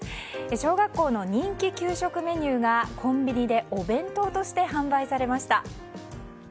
小学校の人気給食メニューがコンビニでお弁当として販売されました。